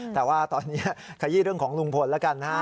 แต่ว่าตอนนี้ขยี้เรื่องของลุงพลแล้วกันนะฮะ